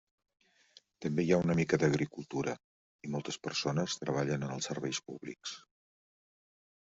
També hi ha una mica d'agricultura, i moltes persones treballen en els serveis públics.